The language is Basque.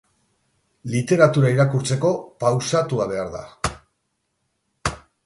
Literatura irakurtzeko, pausatua behar da.